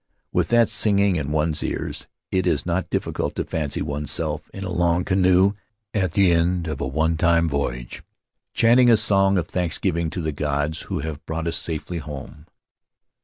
With that singing in one's ears, it is not difficult to fancy oneself in a long canoe, at the end of an old time voyage, chanting a song of thanks giving to the gods who have brought us safely home."